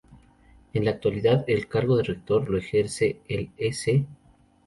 En la actualidad, el cargo de rector lo ejerce el Ec.